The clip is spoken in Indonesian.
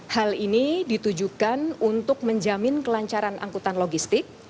hal ini ditujukan untuk menjamin kelancaran angkutan logistik